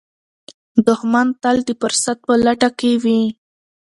دښمن تل د فرصت په لټه کې وي